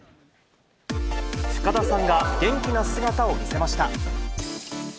深田さんが元気な姿を見せました。